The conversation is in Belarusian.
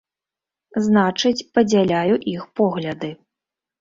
Значыць, падзяляю іх погляды.